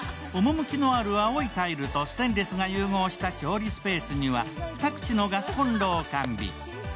趣のある青いタイルとステンレスが融合した調理スペースには２口のガスこんろを完備。